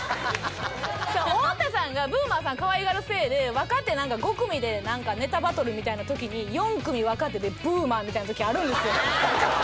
それ太田さんがＢＯＯＭＥＲさん可愛がるせいで若手なんか５組でネタバトルみたいな時に４組若手でＢＯＯＭＥＲみたいな時あるんですよ。